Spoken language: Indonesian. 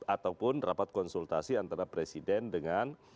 ataupun rapat konsultasi antara presiden dengan